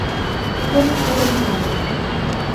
— Кызыт погынена.